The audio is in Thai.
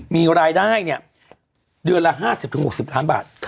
มีรายได้เนี่ยเดือนละ๕๐๖๐ล้านบาท